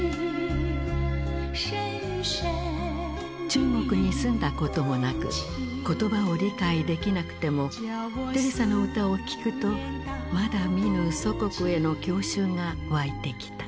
中国に住んだこともなく言葉を理解できなくてもテレサの歌を聴くとまだ見ぬ祖国への郷愁が湧いてきた。